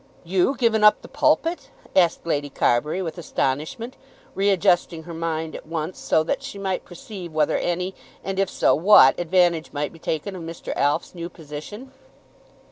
"You given up the 'Pulpit'? asked Lady Carbury with astonishment, readjusting her mind at once, so that she might perceive whether any and if so what advantage might be taken of Mr. Alf's new position.